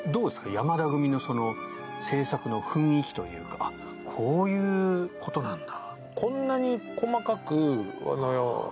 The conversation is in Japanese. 山田組の制作の雰囲気というかこういうことなんだ。